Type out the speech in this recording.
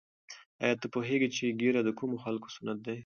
آیا ته پوهېږې چې ږیره د کومو خلکو سنت دی؟